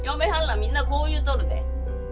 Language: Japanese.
みんなこう言うとるで。